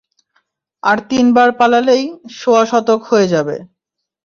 আর তিনবার পালালেই, সোয়া শতক হয়ে যাবে।